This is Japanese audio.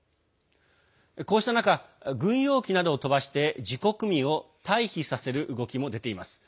こうした中軍用機などを飛ばして自国民を退避させる動きも出ています。